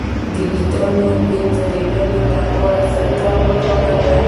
د ویښتو د ځلیدو لپاره سرکه وکاروئ